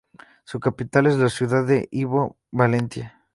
Su capital es la ciudad de Vibo Valentia.